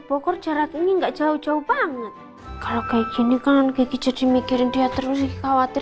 bogor jarak ini enggak jauh jauh banget kalau kayak gini kan gigi jadi mikirin dia terus khawatir